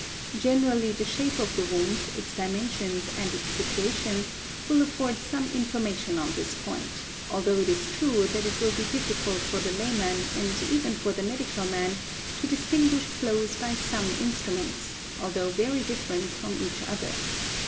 Generally the shape of the wound, its dimensions, and Dhl | its situation, will afford some information on this point, although it is true that it will be difticult for the layman and even for the medical man to distinguish blows by some instruments, although very different from each. other.